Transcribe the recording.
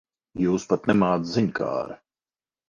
Jūs pat nemāc ziņkāre.